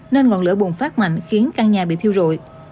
nên ngọn lửa bùng phát mạnh khiến căn nhà bị thiêu rụi